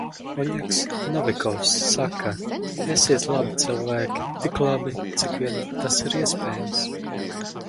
Oļegs Novikovs saka: "Esiet labi cilvēki - tik labi, cik vien tas ir iespējams."